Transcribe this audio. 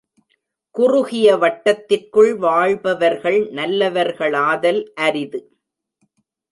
குறுகிய வட்டத்திற்குள் வாழ்பவர்கள் நல்லவர்களாதல் அரிது.